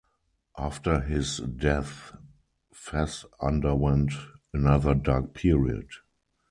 After his death Fez underwent another dark period.